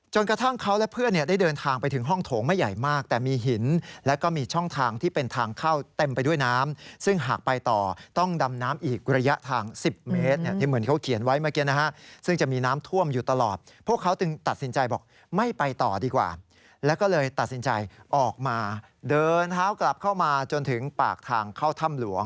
กระทั่งเขาและเพื่อนเนี่ยได้เดินทางไปถึงห้องโถงไม่ใหญ่มากแต่มีหินแล้วก็มีช่องทางที่เป็นทางเข้าเต็มไปด้วยน้ำซึ่งหากไปต่อต้องดำน้ำอีกระยะทาง๑๐เมตรที่เหมือนเขาเขียนไว้เมื่อกี้นะฮะซึ่งจะมีน้ำท่วมอยู่ตลอดพวกเขาจึงตัดสินใจบอกไม่ไปต่อดีกว่าแล้วก็เลยตัดสินใจออกมาเดินเท้ากลับเข้ามาจนถึงปากทางเข้าถ้ำหลวง